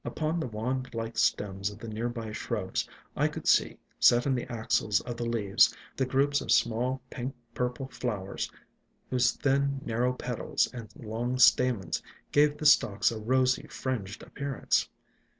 Upon the wand like stems of the near by shrubs I could see, set in the axils of the leaves, the groups of small, pink purple flow ers, whose thin, narrow petals and long stamens gave the stalks a rosy, fringed appearance.